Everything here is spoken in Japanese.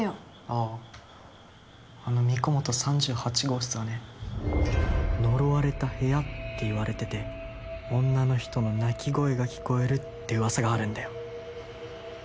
あああの神子元３８号室はね呪われた部屋っていわれてて女の人の泣き声が聞こえるって噂があるんだよ